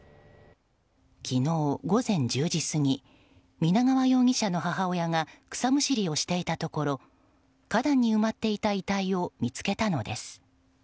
昨日午前１０時過ぎ皆川容疑者の母親が草むしりをしていたところ花壇に埋まっていた遺体を見つけたのです。